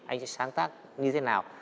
anh sẽ sáng tác như thế nào